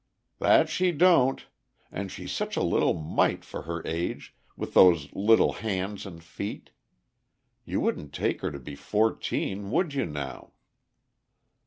"That she don't; and she 's such a little mite for her age, with those little hands and feet. You wouldn't take her to be fourteen, would you, now?"